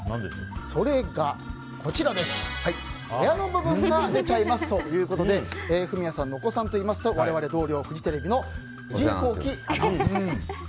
それが、親の部分が出ちゃいますということでフミヤさんのお子さんといいますと我々の同僚フジテレビの藤井弘輝アナウンサーです。